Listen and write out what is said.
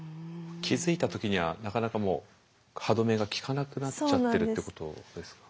気付いた時にはなかなかもう歯止めが利かなくなっちゃってるってことですか？